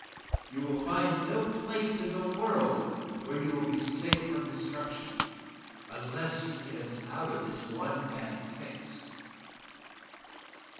You can find no place in the world where you will be safe from destruction unless you get us out of this one bad fix!"